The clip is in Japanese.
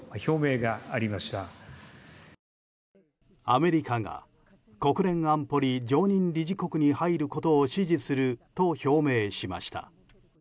アメリカが国連安保理常任理事国に入ることを支持すると表明しました。